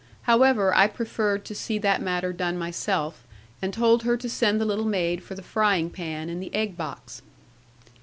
However, I preferred to see that matter done myself, and told her to send the little maid for the frying pan and the egg box.